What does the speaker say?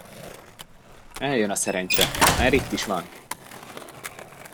Eljön a szerencse, már itt is van!